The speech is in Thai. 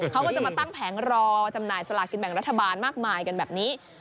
เขาก็จะมาตั้งแผงรอจำหน่ายสลากินแบ่งรัฐบาลมากมายกันแบบนี้